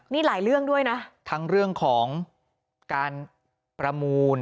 นี่หลายเรื่องด้วยนะทั้งเรื่องของการประมูล